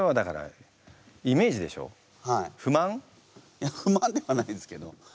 いや不満ではないんですけど。